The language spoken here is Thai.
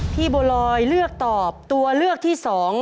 บัวลอยเลือกตอบตัวเลือกที่๒